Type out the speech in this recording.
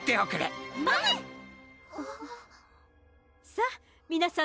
さぁ皆さん